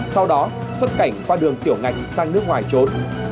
sau đó xuất cảnh qua đường tiểu ngạch sang nước ngoài trốn